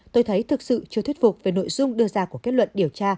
tôi thấy thực sự chưa thuyết phục về nội dung đưa ra của kết luận điều tra